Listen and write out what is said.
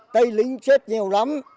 tây lính chết nhiều lắm